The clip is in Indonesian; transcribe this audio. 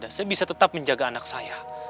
dan saya bisa tetap menjaga anak saya